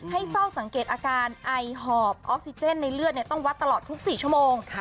ให้เฝ้าสังเกตอาการไอหอบออกซิเจนในเลือดต้องวัดตลอดทุก๔ชั่วโมง